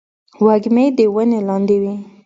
وږمې د ونې لاندې